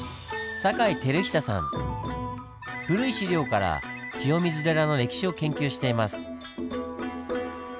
古い史料から清水寺の歴史を研究しています。